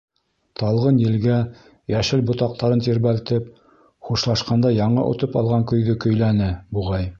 Талғын елгә йәшел ботаҡтарын тирбәлтеп, хушлашҡанда яңы отоп алған көйҙө кәйләне, буғай.